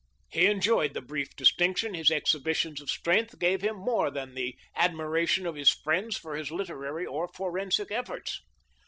He enjoyed the brief distinctiffn his exhibitions of strength gave him more than the admiration of his friends for his literary or forensic efforts.